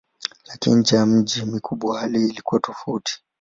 Lakini nje ya miji mikubwa hali ilikuwa tofauti.